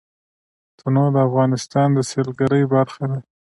تنوع د افغانستان د سیلګرۍ برخه ده.